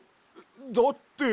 だって。